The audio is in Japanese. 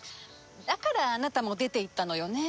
だからあなたも出て行ったのよね。